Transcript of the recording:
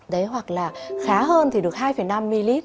đấy hoặc là khá hơn thì được hai năm ml